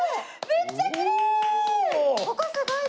めっちゃきれい！